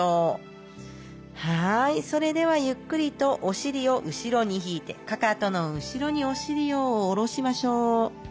はいそれではゆっくりとお尻を後ろに引いてかかとの後ろにお尻を下ろしましょう。